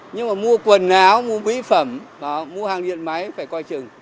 nhưng mà mua quần áo mua mỹ phẩm và mua hàng điện máy phải coi chừng